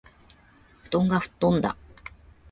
布団がふっとんだ